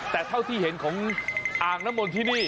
แต่เท่าที่เห็นของอ่างน้ำมนที่นี่